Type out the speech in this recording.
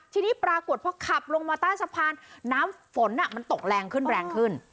ทีนี้ปรากฏพอขับลงมาใต้สะพานน้ำฝนมันตกแรงขึ้นแรงขึ้น